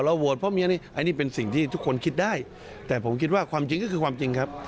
โหวตเพราะมีอันนี้อันนี้เป็นสิ่งที่ทุกคนคิดได้แต่ผมคิดว่าความจริงก็คือความจริงครับ